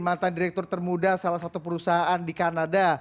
mantan direktur termuda salah satu perusahaan di kanada